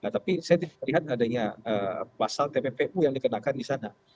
tapi saya tidak melihat adanya pasal tppu yang dikenakan di sana